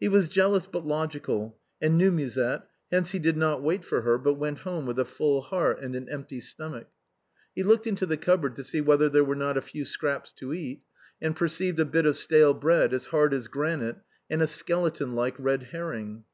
He was jealous but logical, and knew Musette, hence he did not wait for her, but went home with a full heart and an empty stomach. He looked into a cupboard to see whether there were not a few scraps to eat, and perceived a bit of stale bread as hard as granite and a skeleton like red herring.